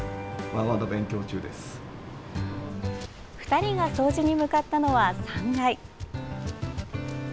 ２人が掃除に向かったのは３階。